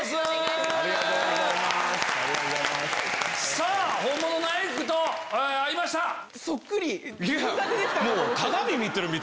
さぁ本物のアイクと会いました。